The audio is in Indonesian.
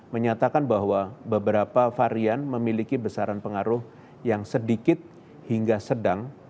menyatakan bahwa beberapa varian memiliki besaran pengaruh yang sedikit hingga sedang